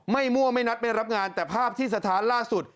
มั่วไม่นัดไม่รับงานแต่ภาพที่สะท้านล่าสุด